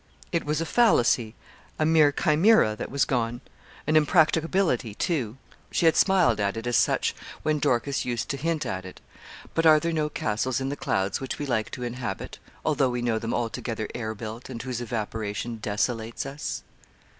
It was a fallacy, a mere chimera, that was gone; an impracticability too. She had smiled at it as such when Dorcas used to hint at it; but are there no castles in the clouds which we like to inhabit, although we know them altogether air built, and whose evaporation desolates us?